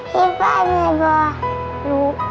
พี่ปอยเหนื่อยไหมลูก